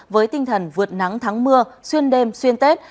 với tinh thần vượt nắng thắng mưa xuyên đêm xuyên tết